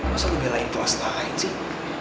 masa lu belain kelas lain sih